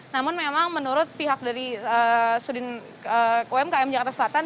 namun memang menurut pihak dari sudin umkm jakarta selatan